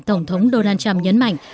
tổng thống donald trump nhấn mạnh